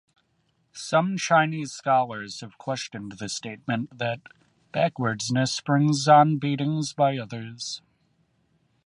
Some Chinese scholars have questioned the statement that "backwardness brings on beatings by others".